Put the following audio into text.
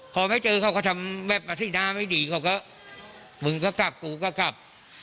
พอไม่เจอเขาก็ทำแบบสีหน้าไม่ดีเขาก็มึงก็กลับกูก็กลับ